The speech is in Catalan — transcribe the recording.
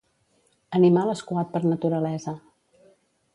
Animal escuat per naturalesa.